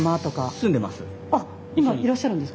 住んでます。